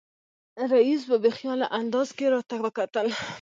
رییس په بې خیاله انداز کې راته وکتل.